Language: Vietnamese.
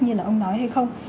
như là ông nói hay không